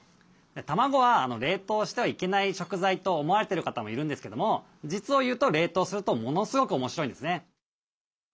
卵は冷凍してはいけない食材と思われてる方もいるんですけども実を言うと冷凍するとものすごく面白いんですね。